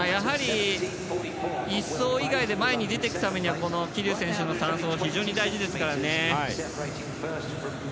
１走以外で前に出ていくためには桐生選手の３走は非常に大事ですからね。